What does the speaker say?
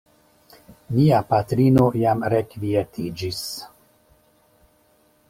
Mia patrino jam rekvietiĝis.